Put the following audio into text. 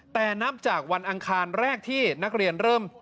แต่นับจากวันอังคารแรกที่นักเรียนเริ่ม